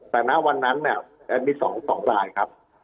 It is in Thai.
แต่หน้าวันนั้นมี๒๒รายครับ